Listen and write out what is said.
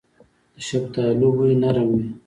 د شفتالو بوی نرم وي.